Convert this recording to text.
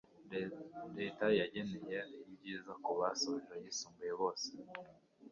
leta yageneye ibyiza ku basoje ayisumbuye bose